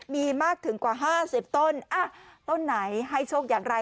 มีมากถึงกว่า๕๐ต้นต้นไหนให้โชคอย่างไร